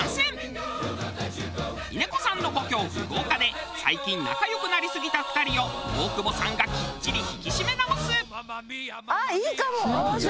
峰子さんの故郷福岡で最近仲良くなりすぎた２人を大久保さんがきっちり引き締め直す！